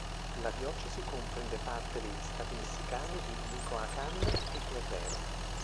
La diocesi comprende parte degli stati messicani di Michoacán e Guerrero.